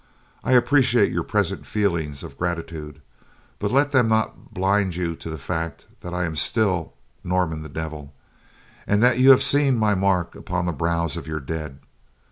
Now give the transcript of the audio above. I appreciate your present feelings of gratitude, but let them not blind you to the fact that I am still Norman the Devil, and that you have seen my mark upon the brows of your dead.